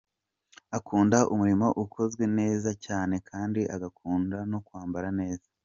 Akunda umurimo ukozwe neza cyane kandi agakunda no kwambara neza.